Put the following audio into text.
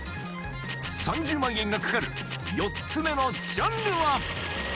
３０万円が懸かる４つ目のジャンルは？